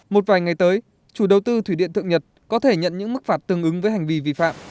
một vài ngày tới chủ đầu tư thủy điện thượng nhật có thể nhận những mức phạt tương ứng với hành vi vi phạm